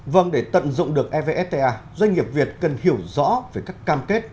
vâng để tận dụng được evfta doanh nghiệp việt cần hiểu rõ về các cam kết